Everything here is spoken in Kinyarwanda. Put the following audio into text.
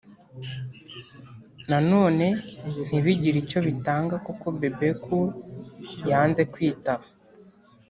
na none ntibigire icyo bitanga kuko Bebe Cool yanze kwitaba